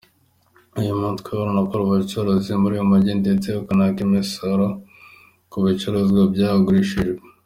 Uyu mutwe unakoraubucuruzi muri uyu mujyi ndetse ukanaka imisoro ku bicuruzwa byagurishijwe.